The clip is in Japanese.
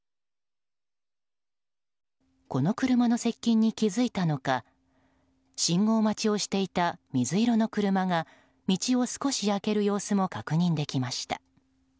この車の接近に気付いたのか信号待ちをしていた水色の車が道を少し開ける様子も確認できました。